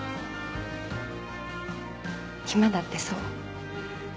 今だってそう。